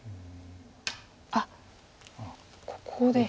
あっここで。